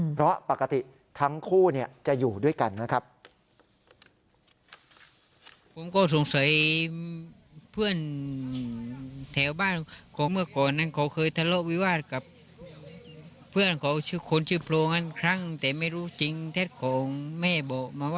เพราะปกติทั้งคู่จะอยู่ด้วยกันนะครับ